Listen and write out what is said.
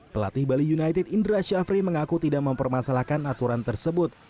pelatih bali united indra syafri mengaku tidak mempermasalahkan aturan tersebut